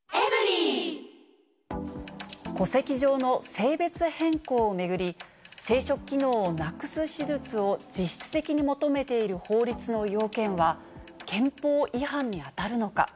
戸籍上の性別変更を巡り、生殖機能をなくす手術を実質的に求めている法律の要件は、憲法違反に当たるのか。